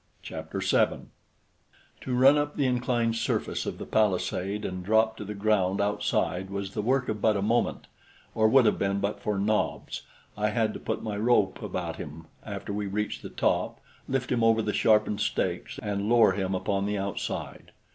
Chapter 7 To run up the inclined surface of the palisade and drop to the ground outside was the work of but a moment, or would have been but for Nobs. I had to put my rope about him after we reached the top, lift him over the sharpened stakes and lower him upon the outside.